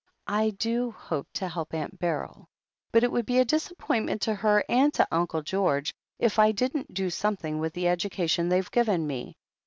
"I do hope to help Aunt Beryl. . But it would be a disappointment to her and to Uncle George if I didn't do something with the education they've given me.